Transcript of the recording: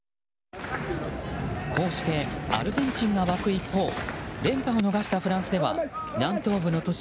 こうしてアルゼンチンが沸く一方連覇を逃したフランスでは南東部の都市